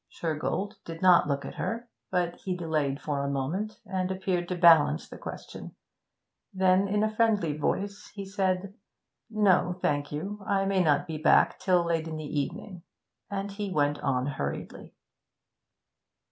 Shergold did not look at her, but he delayed for a moment and appeared to balance the question. Then, in a friendly voice, he said 'No, thank you. I may not be back till late in the evening.' And he went on hurriedly.